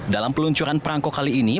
dalam peluncuran perangko kali ini